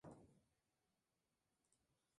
La escudería no logró sumar puntos.